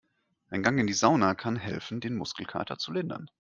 Ein Gang in die Sauna kann helfen, den Muskelkater zu lindern.